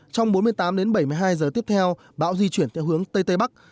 trong bốn mươi tám đến bảy mươi hai giờ tiếp theo bão di chuyển theo hướng tây tây bắc